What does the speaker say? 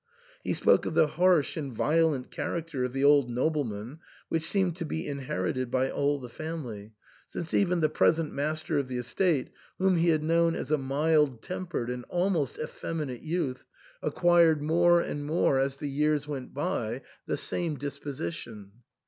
He spoke of the harsh and violent character of the old nobleman, which seemed to be inherited by all the family, since even the present master of the estate, whom he had known as a mild tempered and almost effeminate youth, acquired more THE ENTAIL. 221 and more as the years went by the same disposition.